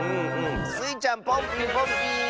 スイちゃんポンピンポンピーン！